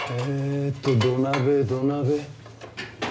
えと土鍋土鍋。